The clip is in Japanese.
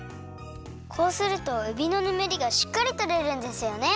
こうするとえびのぬめりがしっかりとれるんですよね。